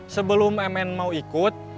sebelum emen mau ikut